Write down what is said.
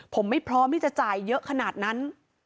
ผมไม่พร้อมที่จะจ่ายเยอะขนาดนั้น